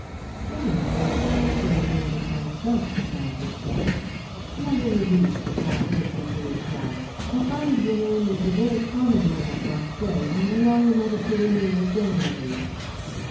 "Strange they should be the same name as myself," the Countess said. "Not in the least," Prout hastened to reply. "I find the name is a very common one at Marseilles, and along the Mediterranean generally."